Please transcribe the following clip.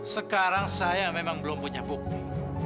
sekarang saya memang belum punya bukti